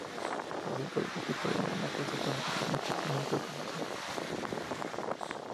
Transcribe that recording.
Son cinco los tipos de merma que se dan en un establecimiento comercial.